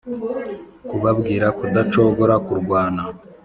kubabwira kudacogora, kurwana,